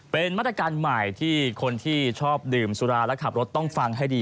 เป็นมาตรการใหม่ที่คนที่ชอบดื่มสุราและขับรถต้องฟังให้ดี